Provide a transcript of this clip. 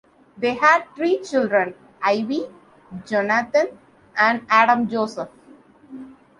They had three children: Ivy, Jonathan and Adam Joseph.